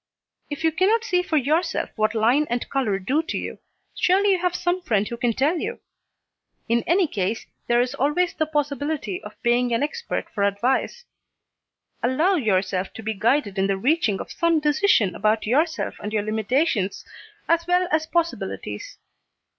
If you cannot see for yourself what line and colour do to you, surely you have some friend who can tell you. In any case, there is always the possibility of paying an expert for advice. Allow yourself to be guided in the reaching of some decision about yourself and your limitations, as well as possibilities.